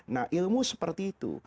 nah ilmu seperti itu